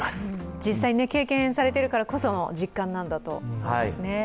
実際、経験されているからこその実感だということですね。